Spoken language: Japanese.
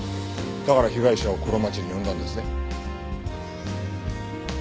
だから被害者をこの町に呼んだんですね？